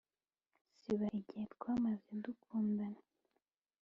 Siba igihe twamaze dukundana